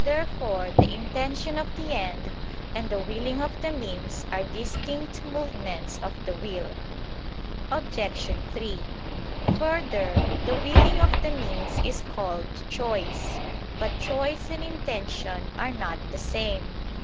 Therefore the intention of the end and the willing of the means are distinct movements of the will. Obj. 3: Further, the willing of the means is called choice. But choice and intention are not the same.